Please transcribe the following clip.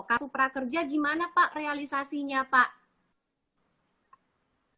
kartu prakerja gimana pak realisasinya pak